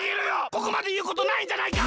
ここまでいうことないじゃないか！